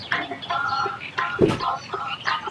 تازه میوې کومي ګټي لري؟